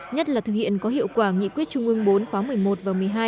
nhất là thực hiện có hiệu quả nghị quyết trung ương bốn khóa một mươi một và một mươi hai